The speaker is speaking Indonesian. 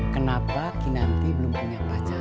kenapa kinanti belum punya pacar